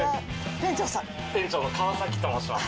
店長の川と申します。